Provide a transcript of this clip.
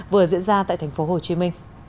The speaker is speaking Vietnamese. vừa diễn ra tại tp hcm